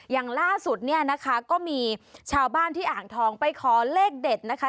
อย่างล่าสุดเนี่ยนะคะก็มีชาวบ้านที่อ่างทองไปขอเลขเด็ดนะคะ